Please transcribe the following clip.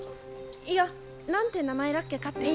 いや何て名前らっけかって。